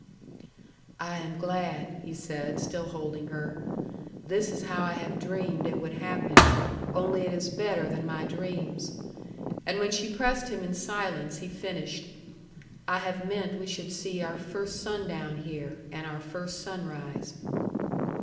"I am glad," he said, still holding her. "This is how I have dreamed it would happen. Only it is better than my dreams." And when she pressed him in silence, he finished, "I have meant we should see our first sundown here, and our first sunrise."